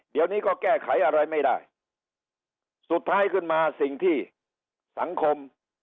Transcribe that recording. เดี๋ยวนี้ก็แก้ไขอะไรไม่ได้สุดท้ายขึ้นมาสิ่งที่สังคม